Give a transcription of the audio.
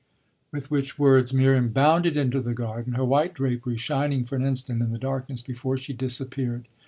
With which words Miriam bounded into the garden, her white drapery shining for an instant in the darkness before she disappeared.